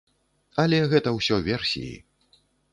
Але гэта ўсё версіі.